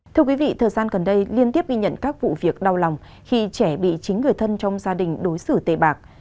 thưa quý vị thời gian gần đây liên tiếp ghi nhận các vụ việc đau lòng khi trẻ bị chính người thân trong gia đình đối xử tề bạc